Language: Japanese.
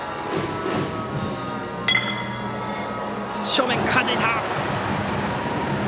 正面、はじいた。